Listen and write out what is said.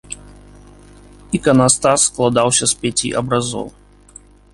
Іканастас складаўся з пяці абразоў.